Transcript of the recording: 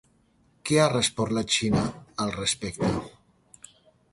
Què ha respost la Xina al respecte?